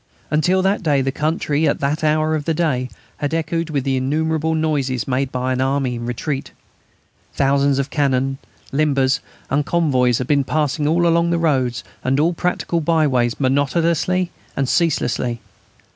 Until that day the country, at that hour of the day, had echoed with the innumerable noises made by an army in retreat. Thousands of cannon, limbers, and convoys had been passing along all the roads and all practicable by ways monotonously and ceaselessly.